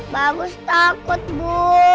bagus takut bu